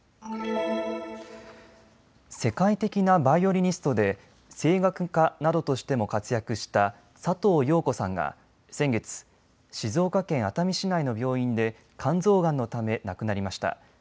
世界的なバイオリニストで声楽家などとしても活躍した佐藤陽子さんが先月、静岡県熱海市内の病院で肝臓がんのため亡くなりました。